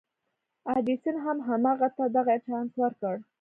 ايډېسن هم هغه ته دغه چانس ورکړ.